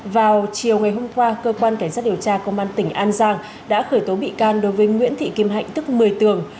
vào chiều ngày hôm qua cơ quan cảnh sát điều tra công an tỉnh an giang đã khởi tố bị can đối với nguyễn thị kim hạnh tức một mươi tường